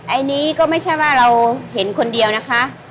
อันนี้ก็ไม่ใช่ว่าเราเห็นคนเดียวนะคะ